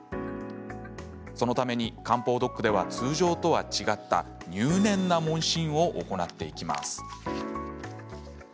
そのため、漢方ドックでは通常とは違った入念な問診を行っていきます。